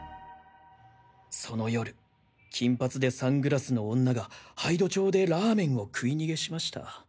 その夜金髪でサングラスの女が杯戸町でラーメンを食い逃げしました。